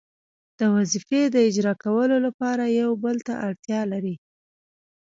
د وظیفې د اجرا کولو لپاره یو بل ته اړتیا لري.